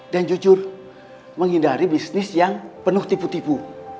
dan jujur menghindari bisnis yang penuh tipu tipu